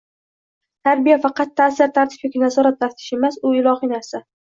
Tarbiya – faqat ta'sir, tartib yoki nazorat, taftish emas, u ilohiy narsa